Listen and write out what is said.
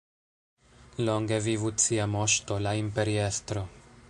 Longe vivu cia Moŝto, la Imperiestro!